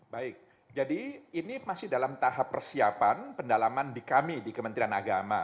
baik jadi ini masih dalam tahap persiapan pendalaman di kami di kementerian agama